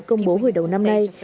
công bố hồi đầu năm nay